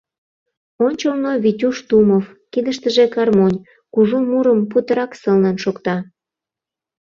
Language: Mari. Ончылно — Витюш Тумов, кидыштыже гармонь, кужу мурым путырак сылнын шокта.